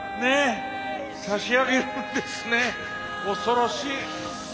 差し上げるんですね恐ろしい。